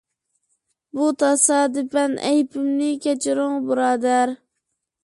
بۇ تاسادىپەن ئەيىبىمنى كەچۈرۈڭ، بۇرادەر.